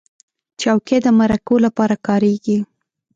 چوکۍ د مرکو لپاره کارېږي.